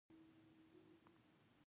د ځیګر د درد لپاره د څه شي اوبه وڅښم؟